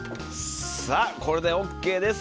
これでＯＫです。